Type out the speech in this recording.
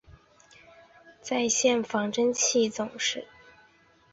在线仿真器总是将待开发的嵌入式系统连接到一个终端或个人电脑。